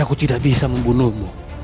aku tidak bisa membunuhmu